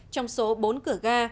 trong số bốn cửa gà